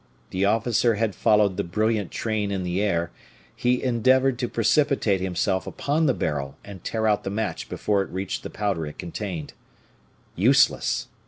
The officer had followed the brilliant train in the air; he endeavored to precipitate himself upon the barrel and tear out the match before it reached the powder it contained. Useless!